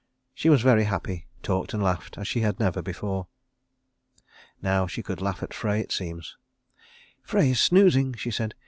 She was very happy, talked and laughed as she had never before. Now she could laugh at Frey, it seems. "Frey is snoozing," she said.